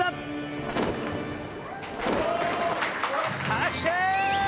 拍手！